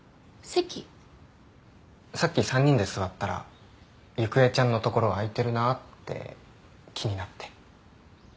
さっき３人で座ったらゆくえちゃんの所空いてるなって気になって。